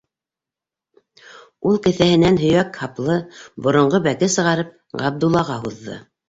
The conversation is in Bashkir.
- Ул кеҫәһенән һөйәк һаплы боронғо бәке сығарып Ғабдуллаға һуҙҙы.